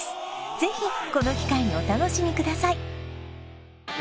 ぜひこの機会にお楽しみください